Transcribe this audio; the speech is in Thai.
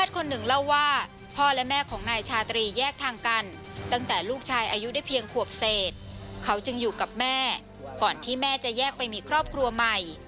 เขาจึงอยู่กับแม่ก่อนที่แม่จะแยกไปมีครอบครัวใหม่